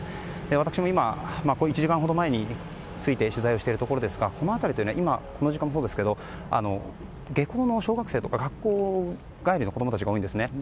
私も今、小一時間ほど前に着いて取材をしているところですがこの辺りは今、この時間もそうですけれども下校の小学生とか学校帰りの子供たちが多いんですね。